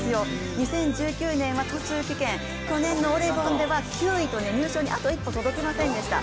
２０１９年は途中棄権、去年のオレゴンでは９位と入賞にあと一歩届きませんでした。